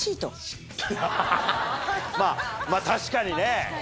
まぁ確かにね。